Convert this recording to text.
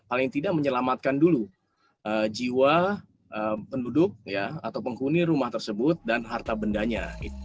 paling tidak menyelamatkan dulu jiwa penduduk atau penghuni rumah tersebut dan harta bendanya